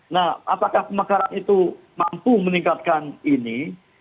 nah apakah pemekaran itu mampu meningkatkan ini